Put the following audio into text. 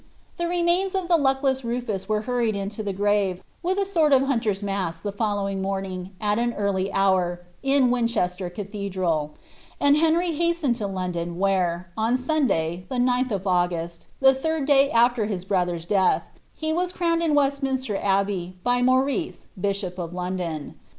The remains of the luckless Rufus were hurried into the grave, rith a sort of hunter's mass, the following morning, at an early hour, in Winchester Oathednd ;' and Henry hastened to London, where, on Sun lay, the 9th of Au^rust, the third day after his brother's death, he was nt>wned in Westnmister Abbey, by Maurice, bishop of London.